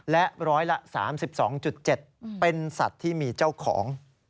และร้อยละ๓๒๗เป็นสัตว์ที่มีเจ้าของ